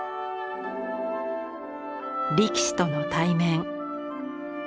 力士との対面。